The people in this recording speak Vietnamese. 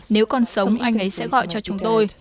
nếu còn sống anh ấy sẽ gọi cho chúng tôi